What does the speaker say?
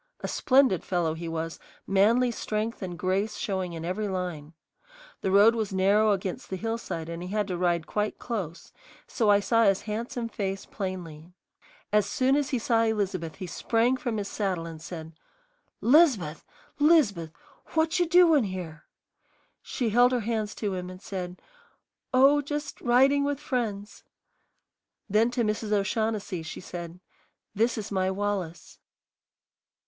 A splendid fellow he was, manly strength and grace showing in every line. The road was narrow against the hillside and he had to ride quite close, so I saw his handsome face plainly. As soon as he saw Elizabeth he sprang from his saddle and said, "'Liz'beth, 'Liz'beth, what you doin' here?" She held her hands to him and said, "Oh, just riding with friends." Then to Mrs. O'Shaughnessy she said, "This is my Wallace."